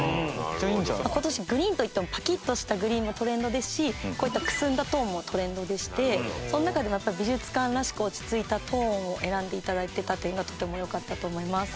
今年グリーンといってもパキッとしたグリーンもトレンドですしこういったくすんだトーンもトレンドでしてその中でもやっぱり美術館らしく落ち着いたトーンを選んで頂いてたというのはとてもよかったと思います。